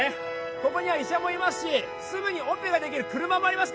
ここには医者もいますしすぐにオペができる車もあります